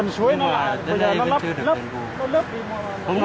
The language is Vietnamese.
nhưng mà đến đây vẫn chưa được đèn bù